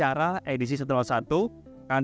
dan dalamnya menguplas artikel mengenai mengawali investasi